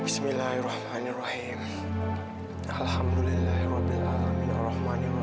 sampai jumpa di video selanjutnya